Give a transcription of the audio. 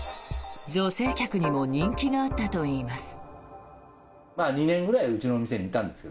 女性客にも人気があったといいます。